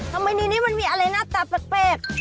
ทำไมในนี้มันมีอะไรหน้าตาแปลก